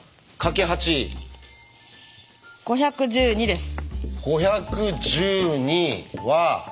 ５１２です。